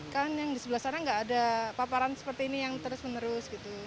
kan yang di sebelah sana nggak ada paparan seperti ini yang terus menerus gitu